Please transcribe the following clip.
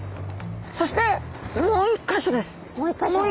そしてもう一か所です。